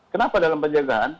kenapa dalam pencegahan